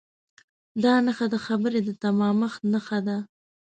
دا نښه د خبرې د تمامښت نښه ده.